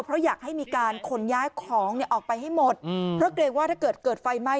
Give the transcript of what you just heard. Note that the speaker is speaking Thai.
เพราะอยากให้มีการขนย้ายของออกไปให้หมดเพราะเกลียดว่าเกิดกำแหน่งไฟไหม้